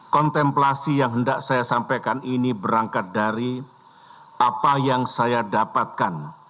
kontemplasi yang hendak saya sampaikan ini berangkat dari apa yang saya dapatkan